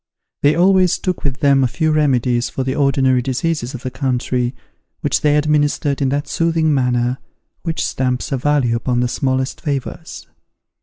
They always took with them a few remedies for the ordinary diseases of the country, which they administered in that soothing manner which stamps a value upon the smallest favours.